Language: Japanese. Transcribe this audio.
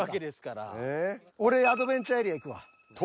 俺アドベンチャーエリア行くわ。